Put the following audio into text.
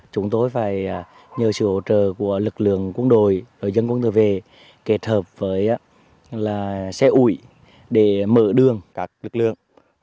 chúng tôi phải nhờ sự hỗ trợ của lực lượng quân đội dân quân tự vệ kết hợp với xe ủi để mở đường các lực lượng